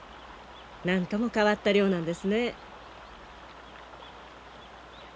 なんとも変わった漁なんですね。